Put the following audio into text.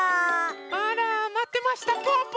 あらまってましたぽぅぽ。